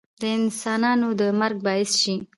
د انسانانو د مرګ باعث شي